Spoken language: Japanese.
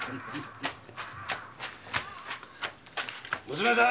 娘さん！